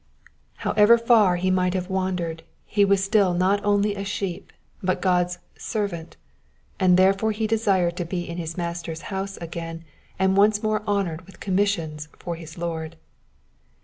However far he might have wandered he was still not only a sheep^ but God^s servant/* and therefore he desired to be in his Master* s house again, and once more honoured with commissions for his Lord.